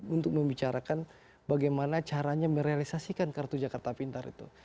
untuk membicarakan bagaimana caranya merealisasikan kartu jakarta pintar itu